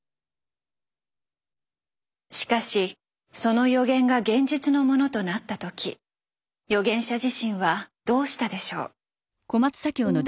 しかしその予言が現実のものとなった時予言者自身はどうしたでしょう？